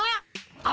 あ！